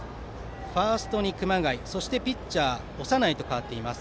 ファーストに熊谷ピッチャー、長内と代わっています。